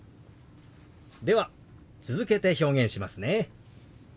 では続けて表現しますね。